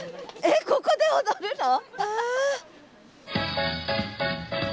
えっここで踊るの？